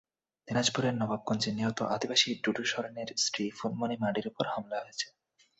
দিনাজপুরের নবাবগঞ্জে নিহত আদিবাসী ঢুডু সরেনের স্ত্রী ফুলমনি মার্ডির ওপর হামলা হয়েছে।